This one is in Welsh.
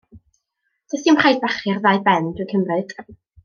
Does dim rhaid bachu'r ddau ben, dw i'n cymryd?